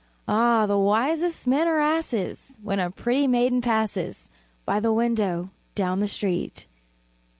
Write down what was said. Ah, the wisest men are asses When a pretty maiden passes By the window down the street!